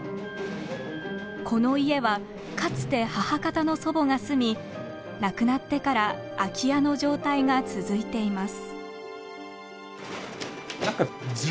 この家はかつて母方の祖母が住み亡くなってから空き家の状態が続いています。